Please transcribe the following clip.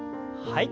はい。